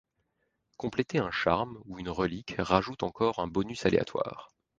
Compléter un charme ou une relique rajoute encore un bonus aléatoire.